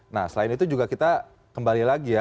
nah selain itu juga kita kembali lagi ya